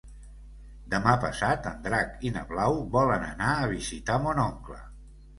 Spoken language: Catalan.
Demà passat en Drac i na Blau volen anar a visitar mon oncle.